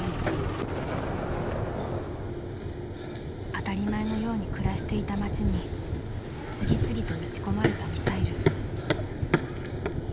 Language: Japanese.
［当たり前のように暮らしていた街に次々と撃ち込まれたミサイル］